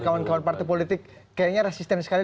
kawan kawan partai politik kayaknya resisten sekali